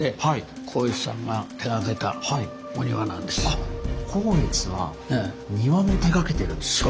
あっ光悦は庭も手がけてるんですか？